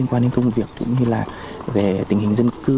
trong việc cũng như là về tình hình dân cư